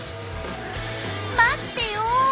「待ってよ」。